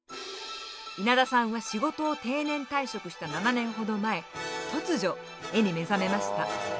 稲田さんは仕事を定年退職した７年ほど前突如絵に目覚めました。